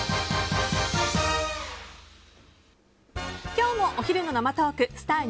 今日もお昼の生トークスター☆